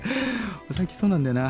最近そうなんだよな。